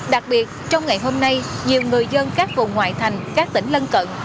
đặc biệt trong ngày hôm nay nhiều người dân các vùng ngoại thành các tỉnh lân cận